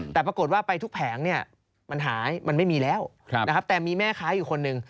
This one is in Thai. แต่ปรากฏว่าไปทุกแผงเนี่ยมันหายมันไม่มีแล้วนะครับแต่มีแม่ค้าอยู่คนหนึ่ง